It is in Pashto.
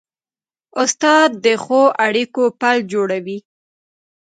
استاد د ښو اړیکو پل جوړوي.